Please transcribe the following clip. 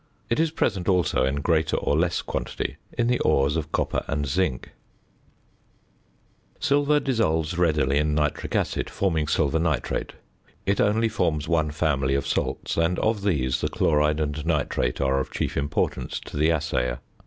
It is present also in greater or less quantity in the ores of copper and zinc. Silver dissolves readily in nitric acid, forming silver nitrate. It only forms one family of salts, and of these the chloride and nitrate are of chief importance to the assayer.